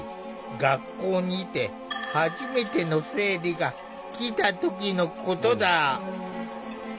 学校にいて初めての生理が来た時のことだ。